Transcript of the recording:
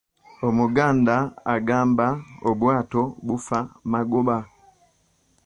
"Omuganda agamba, ""Obwato bufa magoba""."